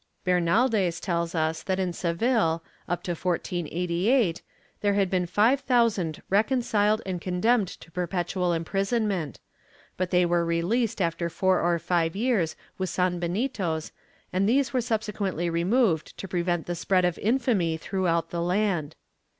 Bernaldez tells us that in Seville, up to 1488, there had been five thousand reconciled and condemned to perpetual imprisonment, but they were released after four or five years with sanbenitos and these were subsequently removed to prevent the spread of infamy throughout the land.